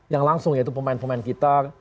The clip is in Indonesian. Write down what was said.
yang langsung yaitu pemain pemain kita